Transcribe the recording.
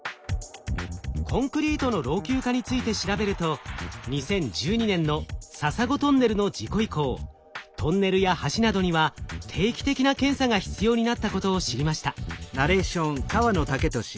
コンクリートの老朽化について調べると２０１２年の笹子トンネルの事故以降トンネルや橋などには定期的な検査が必要になったことを知りました。